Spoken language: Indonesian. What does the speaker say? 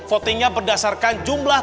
votingnya berdasarkan jumlah